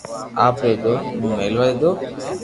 آپري دوست مون ملوا گيو